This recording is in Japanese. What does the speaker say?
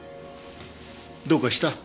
どうかした？